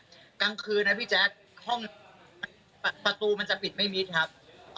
กลางคืนนะพี่แจ๊คห้องประตูมันจะปิดไม่มิดครับ